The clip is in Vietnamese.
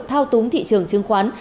thao túng thị trường chứng khoán